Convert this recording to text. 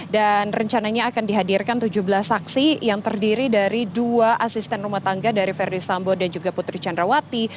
dan rencananya akan dihadirkan tujuh belas saksi yang terdiri dari dua asisten rumah tangga dari verdi sambo dan juga putri candrawati